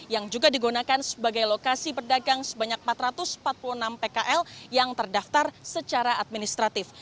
yang juga digunakan sebagai lokasi pedagang sebanyak empat ratus empat puluh enam pkl yang terdaftar secara administratif